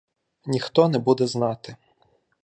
Ніхто не буде знати.